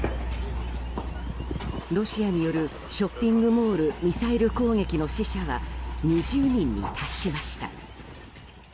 ロシアによるショッピングモールミサイル攻撃の死者は２０人に達しました。